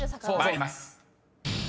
［参ります］